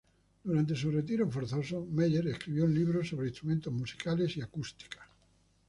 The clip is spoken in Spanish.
Durante su retiro forzoso, Meyer escribió un libro sobre instrumentos musicales y acústica.